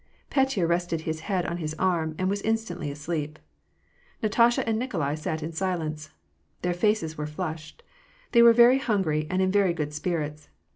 Petya rested his head on his arm, and was instantly asleep. Natasha and Nikolai sat in silence. Their faces were flushed ; they were very hungry, and in very good spirits.